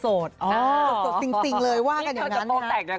โสดจริงเลยว่ากันอย่างงั้นนั้น